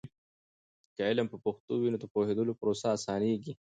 که علم په پښتو وي، نو د پوهیدلو پروسه اسانېږي.